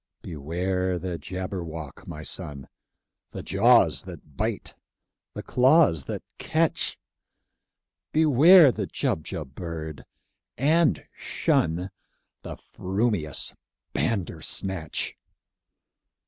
"Beware the Jabberwock, my son! The jaws that bite, the claws that catch! Beware the Jubjub bird, and shun The frumious Bandersnatch!"